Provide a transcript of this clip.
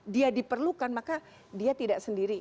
dia diperlukan maka dia tidak sendiri